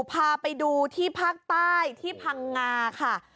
พาไปดูที่ภาคใต้ที่พังงาค่ะ